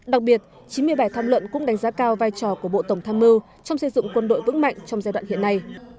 đặc biệt chín mươi bảy tham luận cũng đánh giá cao vai trò của bộ tổng tham mưu trong xây dựng quân đội vững mạnh trong giai đoạn hiện nay